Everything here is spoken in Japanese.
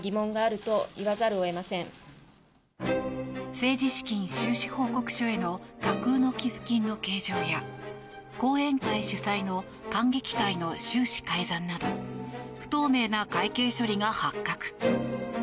政治資金収支報告書への架空の寄付金の計上や後援会主催の観劇会の収支改ざんなど不透明な会計処理が発覚。